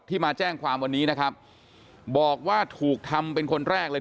มาแจ้งความวันนี้นะครับบอกว่าถูกทำเป็นคนแรกเลย